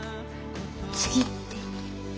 次って？